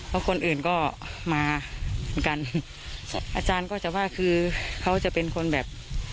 แล้วคนอื่นก็มาเหมือนกันอาจารย์ก็จะว่าคือเขาจะเป็นคนแบบ